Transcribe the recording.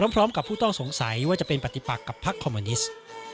พร้อมกับผู้ต้องสงสัยว่าจะเป็นปฏิปักกับพักคอมมิวนิสต์